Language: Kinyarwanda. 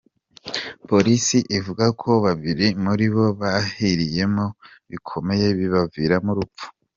Polisi ivuga ko babiri muri bo bahiriyemo bikomeye bibaviramo urupfu.